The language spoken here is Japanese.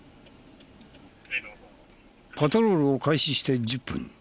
パトロールを開始して１０分。